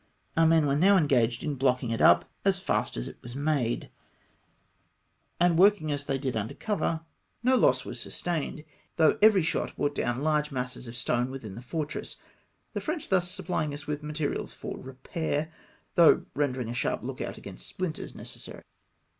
Our men were now engaged in blocking it up as fast as it was made, and working as they did under cover, no loss was sustained, though every shot brought down large masses of stone within the fortress ; the French thus supplying us with materials for repair, though rendering a sharp look out against sphnters necessary.